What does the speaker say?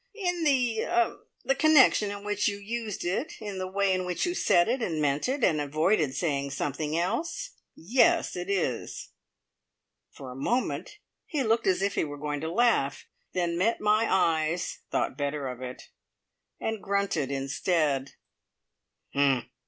"In the er the connection in which you used it in the way in which you said it, and meant it, and avoided saying something else yes, it is." For a moment he looked as if he were going to laugh, then met my eyes, thought better of it, and grunted instead.